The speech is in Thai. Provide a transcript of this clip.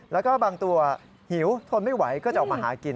แล้วก็บางตัวหิวทนไม่ไหวก็จะออกมาหากิน